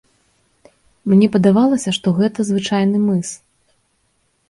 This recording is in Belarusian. Мне падавалася, што гэта звычайны мыс.